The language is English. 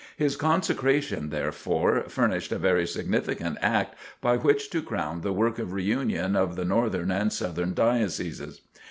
His consecration, therefore, furnished a very significant act by which to crown the work of reunion of the Northern and Southern Dioceses.